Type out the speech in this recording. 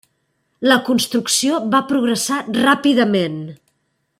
La construcció va progressar ràpidament.